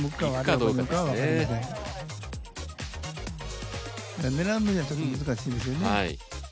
だから狙うのにはちょっと難しいですよね。